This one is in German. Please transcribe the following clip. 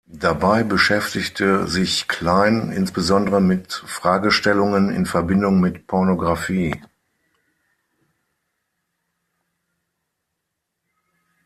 Dabei beschäftigte sich Cline insbesondere mit Fragestellungen in Verbindung mit Pornografie.